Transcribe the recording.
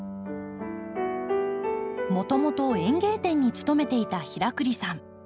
もともと園芸店に勤めていた平栗さん。